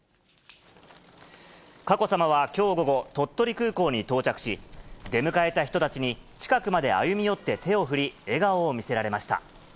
佳子さまはきょう午後、鳥取空港に到着し、出迎えた人たちに近くまで歩み寄って手を振り、笑顔を見せられました。